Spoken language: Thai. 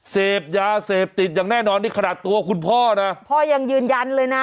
เสพยาเสพติดอย่างแน่นอนนี่ขนาดตัวคุณพ่อนะพ่อยังยืนยันเลยนะ